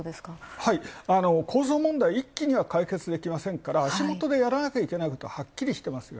はい構造問題いっきに改善はできませんから足元でやらなきゃいけないことがはっきりしてますよ。